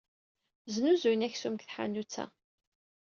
Snuzuyen aksum deg tḥanut-a.